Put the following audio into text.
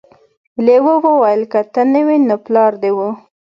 لیوه وویل که ته نه وې نو پلار دې و.